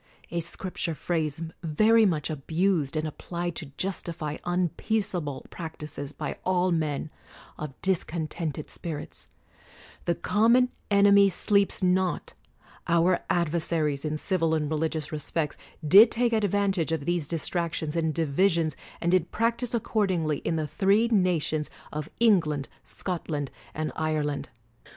(a Scripture phrase very much abused, and applied to justify unpeaceable prac tises by all men of discontented spirits), — the common enemy sleeps not: our adversaries in civil and religious respects did take advantage of these distractions and divisions, and did prac tise accordingly in the three nations of Eng land, Scotland, and Ireland.